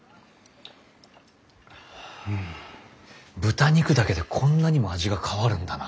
豚肉だけでこんなにも味が変わるんだな。